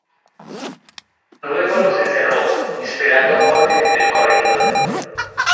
Luego los encerró, esperando órdenes del corregidor.